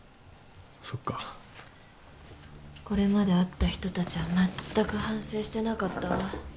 これまで会った人たちはまったく反省してなかったわ。